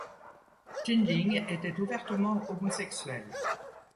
Tinling était ouvertement homosexuel.